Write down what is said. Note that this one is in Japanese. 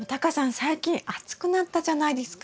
最近暑くなったじゃないですか。